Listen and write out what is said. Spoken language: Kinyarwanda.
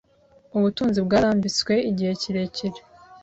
Ubutunzi bwarambitswe igihe kirekire.